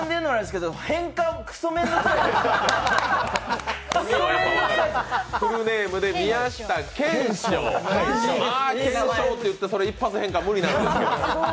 けんしょうって打ってそれ一発変換無理なんですけど。